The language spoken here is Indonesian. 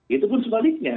itu pun sebaliknya